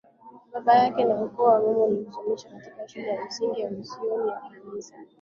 baba yake na ukoo Mama alimsomesha katika shule ya msingi ya misioni ya Kanisa